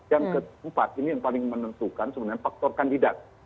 yang keempat ini yang paling menentukan sebenarnya faktor kandidat